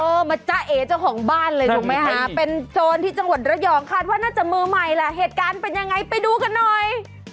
มาจ้าเอเจ้าของบ้านเลยถูกไหมฮะเป็นโจรที่จังหวัดระยองคาดว่าน่าจะมือใหม่แหละเหตุการณ์เป็นยังไงไปดูกันหน่อย